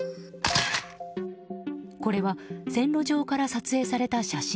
これは線路上から撮影された写真。